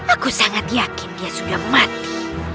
aku sangat yakin dia sudah mati